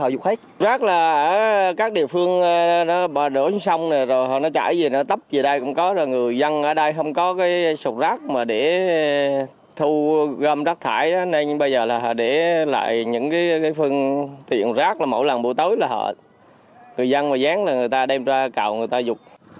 dân và gián là người ta đem ra cạo người ta dục